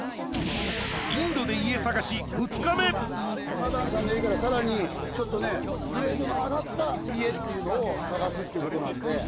マダンさんの家からさらにちょっとねグレードの上がった家っていうのを探すってことなんで。